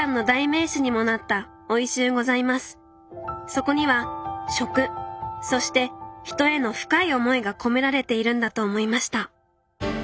そこには食そして人への深い思いが込められているんだと思いました。